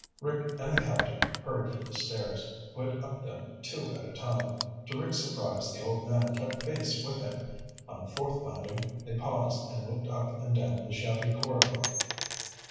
Rick and the Captain hurried for the stairs, went up them two at a time. To Rick's surprise the old man kept pace with him. On the fourth landing they paused and looked up and down the shabby corridor.